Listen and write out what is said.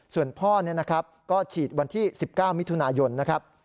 ส่วนพ่อก็ฉีดวันที่๑๙มิถุนายนนะครับ